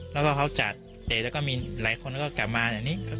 แล้วก็เขาจัดเด็กแล้วก็มีหลายคนก็กลับมาเดี๋ยวนี้